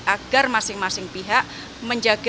agar masing masing pihak menjaga